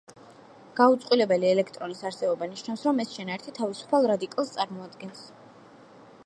გაუწყვილებელი ელექტრონის არსებობა ნიშნავს, რომ ეს შენაერთი თავისუფალ რადიკალს წარმოადგენს.